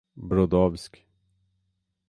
Brodowski